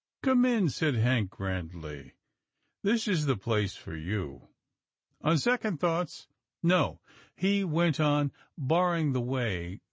" Come in," said Hank grandly, " this is the place for you. On second thoughts, no," he went on, barring the way.